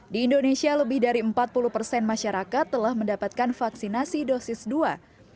di indonesia lebih dari empat puluh persen masyarakat telah mendapatkan vaksinasi dosis dua